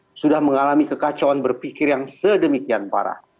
ini artinya bahwa saya mengalami kekacauan berpikir yang sedemikian parah